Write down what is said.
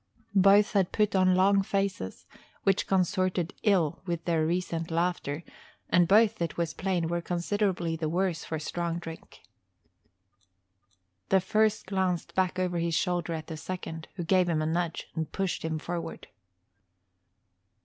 Both had put on long faces, which consorted ill with their recent laughter, and both, it was plain, were considerably the worse for strong drink. The first glanced back over his shoulder at the second, who gave him a nudge and pushed him forward.